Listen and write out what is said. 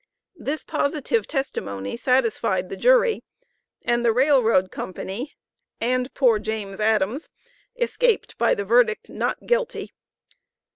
This positive testimony satisfied the jury, and the Rail Road Company and poor James Adams escaped by the verdict not guilty.